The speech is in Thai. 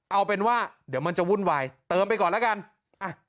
เอาเป็นว่าเดี๋ยวมันจะวุ่นวายเติมไปก่อนแล้วกันอ่ะ